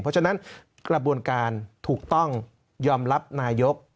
เพราะฉะนั้นกระบวนการถูกต้องยอมรับนายก